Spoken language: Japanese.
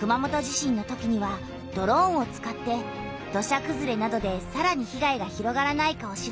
熊本地震のときにはドローンを使って土砂くずれなどでさらに被害が広がらないかを調べたんだ。